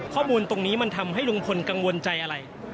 ข้อมูลตรงนี้มันทำให้ลุงพลกังวลใจอะไร